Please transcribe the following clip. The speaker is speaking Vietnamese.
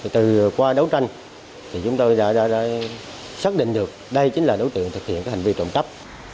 từ qua đấu tranh chúng tôi đã xác định được đây chính là đối tượng thực hiện hành vi trồng cấp